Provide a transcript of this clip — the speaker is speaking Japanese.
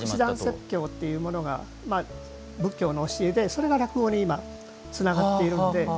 説教というのが仏教の教えでそれが今落語に伝わっているので。